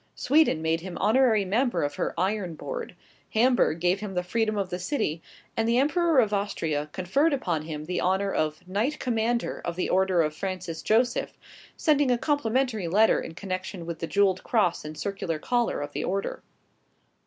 Sweden made him honorary member of her Iron Board; Hamburg gave him the freedom of the city; and the Emperor of Austria conferred upon him the honor of Knight Commander of the Order of Francis Joseph, sending a complimentary letter in connection with the jewelled cross and circular collar of the order.